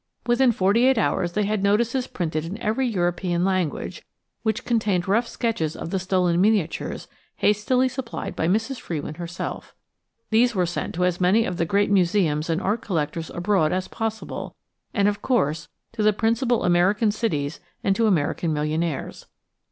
Within forty eight hours they had notices printed in almost every European language, which contained rough sketches of the stolen miniatures hastily supplied by Mrs. Frewin herself. These were sent to as many of the great museums and art collectors abroad as possible, and of course to the principal American cities and to American millionaires.